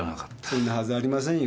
そんなはずありませんよ。